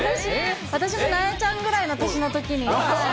私、私もなえちゃんぐらいの年のときに。